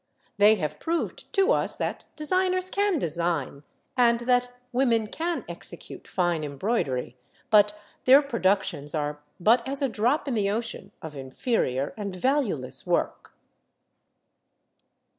They have proved to us that designers can design and that women can execute fine embroidery, but their productions are but as a drop in the ocean of inferior and valueless work.